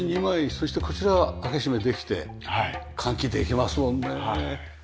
そしてこちらは開け閉めできて換気できますもんね。